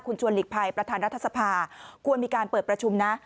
ชวนหลีกภัยประธานรัฐสภาควรมีการเปิดประชุมนะ